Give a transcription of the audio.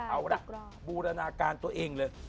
เอาล่ะบูรณาการตัวเองเลย